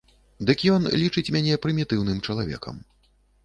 Дык ён лічыць мяне прымітыўным чалавекам.